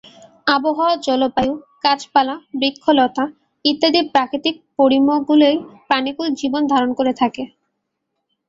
আবহাওয়া, জলবায়ু, গাছপালা, বৃক্ষলতা ইত্যাদি প্রাকৃতিক পরিমণ্ডলেই প্রাণিকুল জীবন ধারণ করে থাকে।